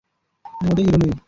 আমি মোটেই হিরো নই।